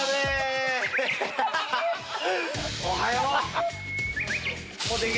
おはよう！